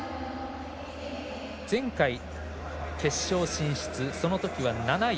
前回、決勝進出そのときは７位。